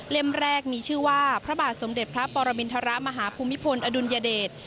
แรกมีชื่อว่าพระบาทสมเด็จพระปรมินทรมาฮภูมิพลอดุลยเดช